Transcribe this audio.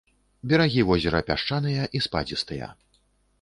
Берагі возера пясчаныя і спадзістыя.